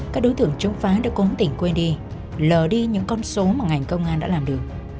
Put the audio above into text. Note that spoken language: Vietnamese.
các đối tưởng chống phá đã cố tỉnh quên đi lờ đi những con số mà ngành công an đã làm được